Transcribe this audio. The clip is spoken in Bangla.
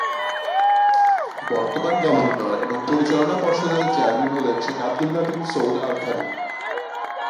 বর্তমান গভর্নর এবং পরিচালনা পর্ষদের চেয়ারম্যান হলেন Sheikh Abdullah bin Saud Al Thani.